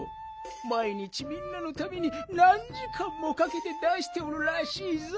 まい日みんなのためになんじかんもかけて出しておるらしいぞ。